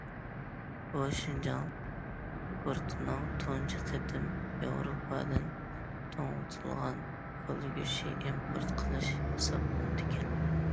بۇ، شىنجاڭ پورتىنىڭ تۇنجى قېتىم ياۋروپادىن توڭلىتىلغان كالا گۆشى ئىمپورت قىلىشى ھېسابلىنىدىكەن.